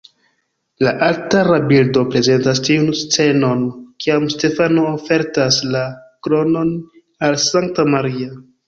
La altara bildo prezentas tiun scenon, kiam Stefano ofertas la kronon al Sankta Maria.